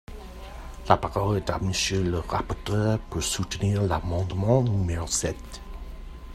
La parole est à Monsieur le rapporteur, pour soutenir l’amendement numéro sept.